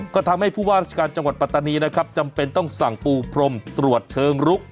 ก็ทำให้ผู้ว่าราชการจังหวัดปัตตานีนะครับจำเป็นต้องสั่งปูพรมตรวจเชิงรุก